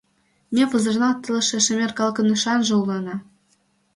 Ме пызырналт илыше шемер калыкын ӱшанже улына!